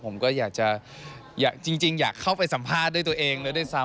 ผมก็อยากจะจริงอยากเข้าไปสัมภาษณ์ด้วยตัวเองเลยด้วยซ้ำ